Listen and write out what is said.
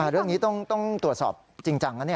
เรื่องนี้ต้องตรวจสอบจริงจังนะ